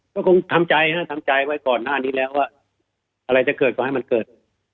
ก็คงทำใจฮะทำใจไว้ก่อนหน้านี้แล้วว่าอะไรจะเกิดก็ให้มันเกิด